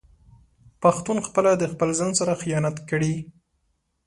پښتون خپله د خپل ځان سره خيانت کړي